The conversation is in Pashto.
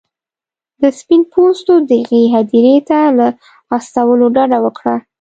د سپین پوستو دغې هدیرې ته له استولو ډډه وکړه.